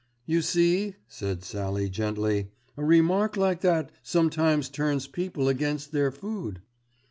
"You see," said Sallie gently, "a remark like that sometimes turns people against their food."